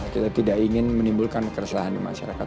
kita tidak ingin menimbulkan keresahan di masyarakat